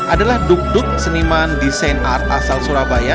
adalah duk duk seniman desain art asal surabaya